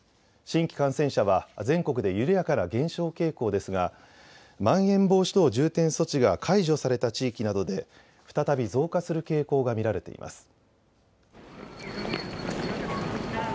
新規感染者は、全国で緩やかな減少傾向ですがまん延防止等重点措置が解除された地域などで再び増加する傾向が見られています。